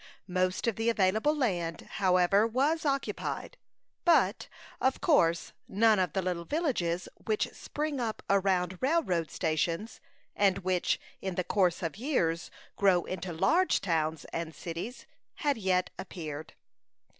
Most of the available land, however, was occupied; but, of course, none of the little villages which spring up around railroad stations, and which, in the course of years, grow into large towns and cities, had yet appeared.